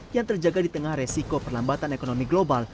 yang terjaga di tengah resiko perlambatan ekonomi global